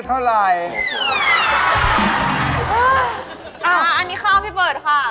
อ้าวอันนี้ข้าวพี่เปิดค่ะ